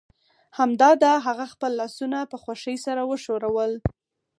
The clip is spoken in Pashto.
همدا ده هغه خپل لاسونه په خوښۍ سره وښورول